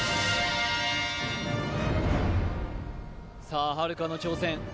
さあはるかの挑戦